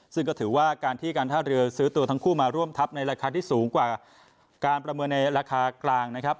ซึ่งก็ถือว่าการที่การท่าเรือซื้อตัวทั้งคู่มาร่วมทัพในราคาที่สูงกว่าการประเมินในราคากลางนะครับ